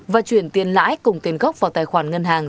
và chuyển tiền lãi cùng tiền gốc vào tài khoản ngân hàng